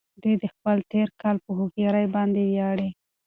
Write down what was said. دی د خپل تېرکالي په هوښيارۍ باندې ویاړي.